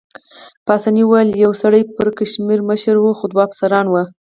پاسیني وویل: یوه سر پړکمشر مشر خو دوه افسران وو.